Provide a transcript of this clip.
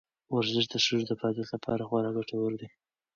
ورزش د سږو د فعالیت لپاره خورا ګټور دی.